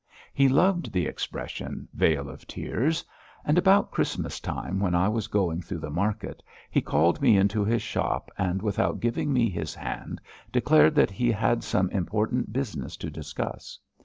He loved the expression vale of tears. And about Christmas time when I was going through the market, he called me into his shop, and without giving me his hand, declared that he had some important business to discuss.